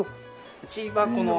うちはこの。